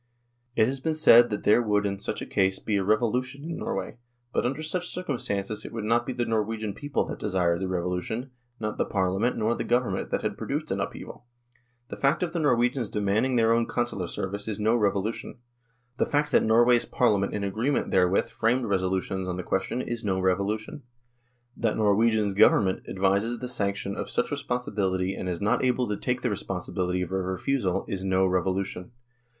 It has been said that there would in such a case be a revolu tion in Norway ; but under such circumstances it would not be the Norwegian people that desired the revolution, not the Parliament nor the Government that had produced an upheaval. The fact of the Norwegians demanding their own Consular service is no revolution ; the fact that Norway's Parliament in agreement therewith framed resolutions on the question is no revolution ; that Norway's Government advises the sanction of such resolutions and is not able to take the responsibility of a refusal is no revolution.